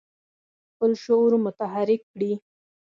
خپل شعور متحرک کړي.